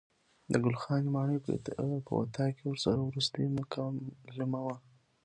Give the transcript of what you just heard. د ګل خانې ماڼۍ په اطاق کې ورسره وروستۍ مکالمه وه.